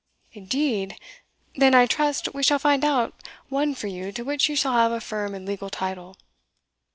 "Indeed! then, I trust, we shall find out one for you to which you shall have a firm and legal title."